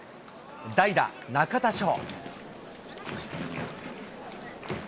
代打、中田翔。